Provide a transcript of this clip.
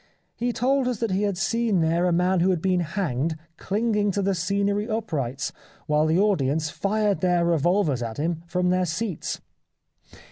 He told us that he had seen there a man who had been hanged clinging to the scenery uprights, while the audience fired their revolvers at him from their seats.